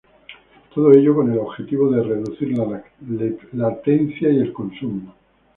Todo ello con el objetivo de reducir la latencia y el consumo.